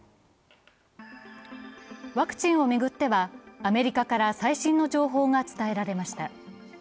ワクチンを巡ってはアメリカから最新の情報が伝えられました。